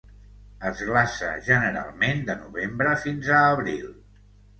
Es glaça generalment de novembre fins a abril.